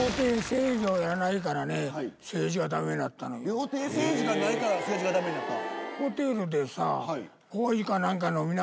料亭政治がないから政治がダメになった？